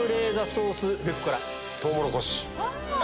トウモロコシ！